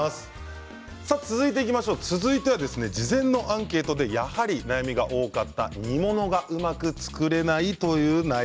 続いては事前アンケートでやはりお悩みが多かった煮物がうまく作れない。